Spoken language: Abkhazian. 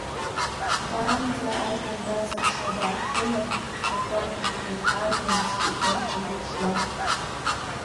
Дбаанӡа ажәҩан даҵаԥшуа дааҭгылан, акәар кеикеи ажәҩан цқьеи еиҿаирԥшуан.